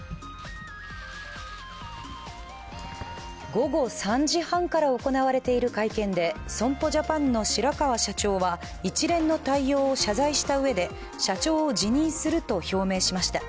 午後３時半から行われている会見で損保ジャパンの白川社長は、一連の対応を謝罪したうえで社長を辞任すると表明しました。